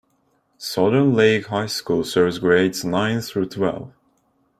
Southern Lehigh High School serves grades nine through twelve.